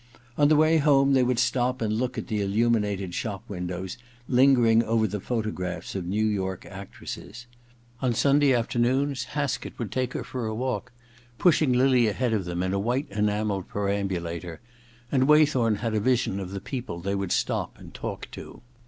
On the way home they would stop and look at the illumin ated shop windows, lingering over the photo graphs of New York actresses. On Sunday afternoons Haskett would take her for a walk, pushing Lily ahead of them in a white enamelled perambulator, and Waythorn had a vision of the people they would stop and talk to.